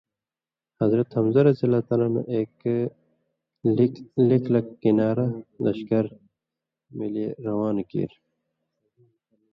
حضرت حمزہ رضی اللہ عنہ اېک لېکھ لَک کَنارہ (لشکرہ) مِلیۡ روان کیریۡ